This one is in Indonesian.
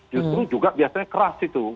justru juga biasanya keras itu